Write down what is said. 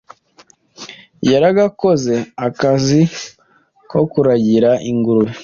yaragakoze akazi ko kuragira ingurube.